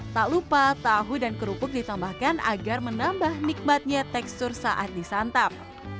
tak lupa tahu dan kerupuk ditambahkan agar menambah nikmatnya tekstur saat disantap